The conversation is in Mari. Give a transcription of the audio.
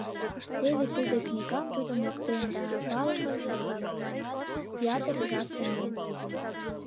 Теве тиде книгам тудо моктен да палымыже-влакланат ятыр жап темлен.